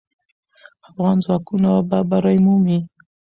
افغان ځواکونه به بری مومي.